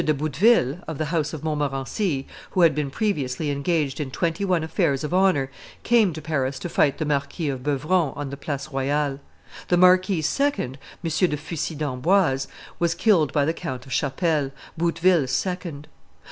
de Bouteville, of the house of Montmorency, who had been previously engaged in twenty one affairs of honor, came to Paris to fight the Marquis of Beuvron on the Place Royale. The Marquis's second, M. de fussy d'Amboise, was killed by the Count of Chapelles, Bouteville's second.